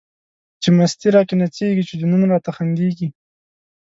چی مستی را کی نڅيږی، چی جنون را ته خنديږی